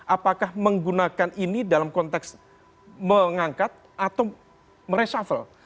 apakah menggunakan ini dalam konteks mengangkat atau mereshuffle